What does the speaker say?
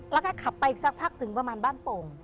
แล้วก็ขับไปอีกสักพักถึงประมาณบ้านโป่ง